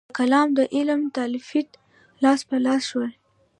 د کلام د علم تالیفات لاس په لاس شول.